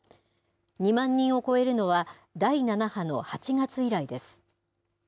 ２万人を超えるのは、第７波の８月以来です。